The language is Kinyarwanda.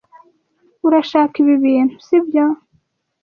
Urashaka ibi bintu, sibyo?